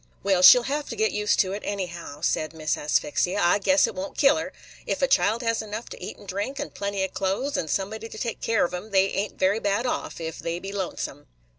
"Well, she 'll have to get used to it, anyhow," said Miss Asphyxia. "I guess 't won't kill her. Ef a child has enough to eat and drink, and plenty of clothes, and somebody to take care of 'em, they ain't very bad off, if they be lonesome."